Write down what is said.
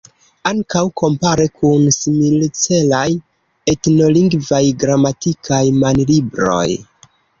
Ankaŭ kompare kun similcelaj etnolingvaj gramatikaj manlibroj.